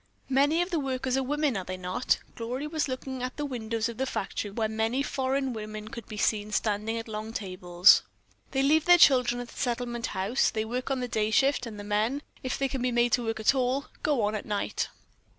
"Many of the workers are women, are they not?" Gloria was looking at the windows of the factory where many foreign women could be seen standing at long tables. "They leave their children at the Settlement House. They work on the day shift, and the men, if they can be made to work at all, go on at night."